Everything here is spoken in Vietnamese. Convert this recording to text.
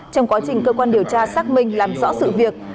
trong quá trình cơ quan điều tra xác minh làm rõ sự việc